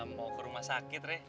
mau ke rumah sakit rek